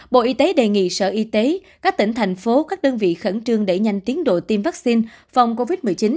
bộ y tế đề nghị sở y tế các tỉnh thành phố các đơn vị khẩn trương đẩy nhanh tiến độ tiêm vaccine phòng covid một mươi chín